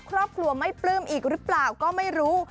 ครอบครัวไม่ปลื้มอีกหรือเปล่าก็ไม่รู้